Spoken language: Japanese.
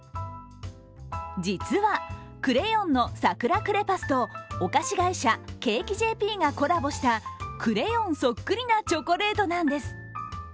実は、クレヨンのサクラクレパスとお菓子会社、Ｃａｋｅ．ｊｐがコラボしたクレヨンそっくりなチョコレートなんです。